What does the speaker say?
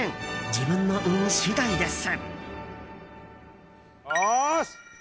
自分の運次第です。